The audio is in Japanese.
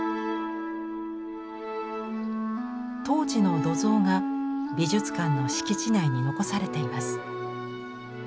当時の土蔵が美術館の敷地内に残されています。